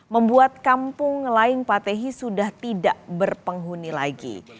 membuat kampung lain patehi sudah tidak berpenghuni lagi